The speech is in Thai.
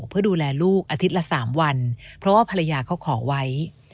เพื่อดูแลลูกอาทิตย์ละ๓วันเพราะว่าภรรยาเขาขอไว้